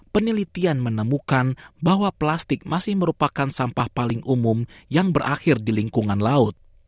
penelitian menemukan bahwa plastik masih merupakan sampah paling umum yang berakhir di lingkungan laut